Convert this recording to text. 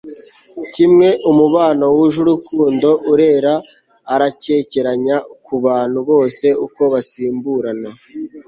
kimwe umubano wuje urukundo urera arakekeranya kubantu bose uko basimburana